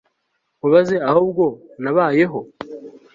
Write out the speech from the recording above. nkubabaze ahubwo nabayeho